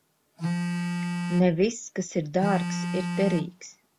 Ne viss, kas ir dārgs, ir derīgs.